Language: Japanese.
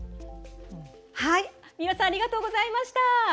三浦さんありがとうございました。